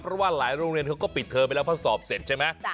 เพราะว่าหลายโรงเรียนเขาก็ปิดเทอมไปแล้วเพราะสอบเสร็จใช่ไหม